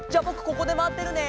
ここでまってるね。